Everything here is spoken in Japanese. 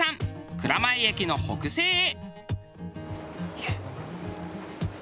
蔵前駅の北西へ。